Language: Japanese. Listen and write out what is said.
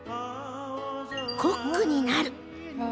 「コックになる」